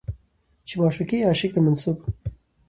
چې معشوقې يا عاشق ته منسوب